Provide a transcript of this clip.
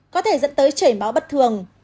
có thể dẫn tới chảy máu bất thường